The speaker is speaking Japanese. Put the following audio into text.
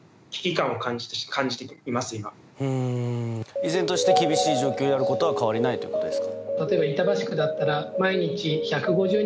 依然として厳しい状況であることは変わりないということですか。